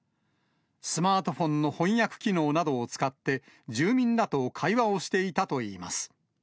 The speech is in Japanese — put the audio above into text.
スマートフォンの翻訳機能などを使って、住民らと会話をしていたといいます。